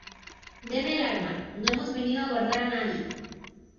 deme el arma. no hemos venido a abordar a nadie .